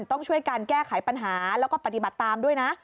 ต้องช่วยการแก้ไขปัญหาแล้วก็ปฏิบัติตามด้วยนะ